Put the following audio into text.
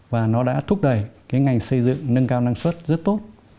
và nó đã thúc đẩy cái ngành xây dựng nâng cao năng suất rất tốt